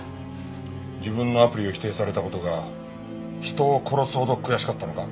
自分のアプリを否定された事が人を殺すほど悔しかったのか？